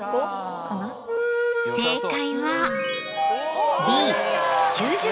正解は。